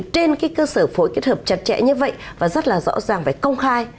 trên cơ sở phối kết hợp chặt chẽ như vậy và rất là rõ ràng phải công khai